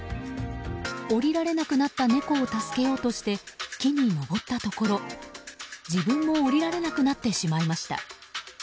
下りられなくなったネコを助けようとして木に登ったところ、自分も下りられなくなってしまいました。